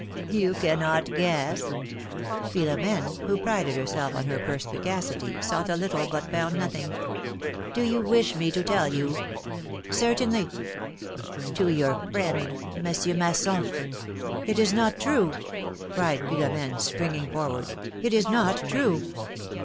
You cannot guess?" Philomene, who prided herself on her perspicacity, sought a little but found nothing. Do you wish me to tell you ?" 'XVtainly." '^To your friend. Monsieur Masson." ^At is not true!" cried Philomene, springing forward. It is not true